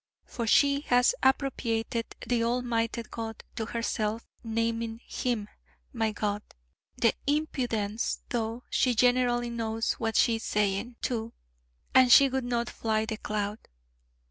For she has appropriated the Almighty God to herself, naming Him 'my God' the impudence: though she generally knows what she is saying, too. And she would not fly the cloud.